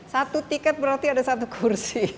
satu tiket berarti ada satu kursi